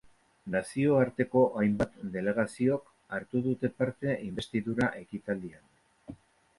Nazioarteko hainbat delegaziok hartu dute parte inbestidura ekitaldian.